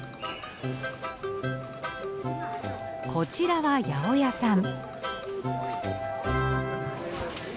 こちらは八百屋さん。